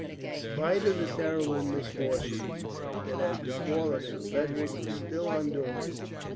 In spite of the terrible misfortunes that had befallen him, Frederick was still undaunted.